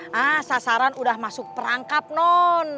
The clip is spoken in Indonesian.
nah sasaran udah masuk perangkap non